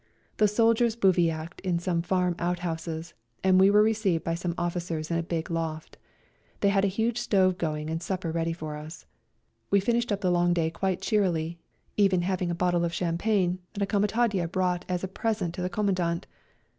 The soldiers bivouacked in some farm out houses, and we were received by some officers in a big loft. They had a huge stove going and supper ready for us. We finished up the long day quite cheerily, even having a bottle of champagne that a comitadje brought as a present to the Commandant.